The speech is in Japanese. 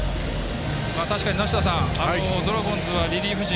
確かに梨田さんドラゴンズはリリーフ陣